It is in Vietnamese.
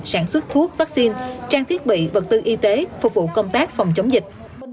sản xuất thuốc vaccine trang thiết bị vật tư y tế phục vụ công tác phòng chống dịch